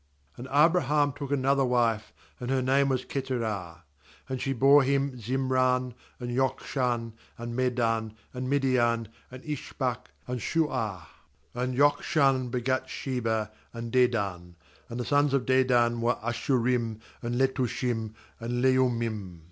O£ And Abraham took another ^ wife, and her name was Keturah. 2And she bore him Zimran, and Jok shan, and Medan, and Midian, and 28 GENESIS 25.29 Ishbak, and Shuah. 8And Jokshan begot Sheba, and Dedan. And the sons of Dedan were Asshurim, and Letushim, and Leummim.